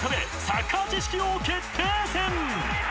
サッカー知識王決定戦］